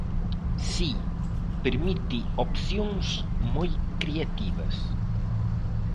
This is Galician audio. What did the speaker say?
Si, permite opcións moi creativas.